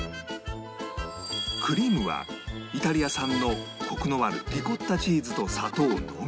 クリームはイタリア産のコクのあるリコッタチーズと砂糖のみ